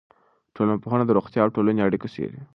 ټولنپوهنه د روغتیا او ټولنې اړیکه څېړي.